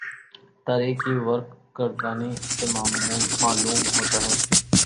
تاریخ کی ورق گردانی سے معلوم ہوتا ہے